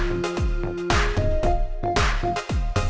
aduh kenapa kamu udah grogi ya